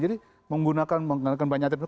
jadi menggunakan banyak atlet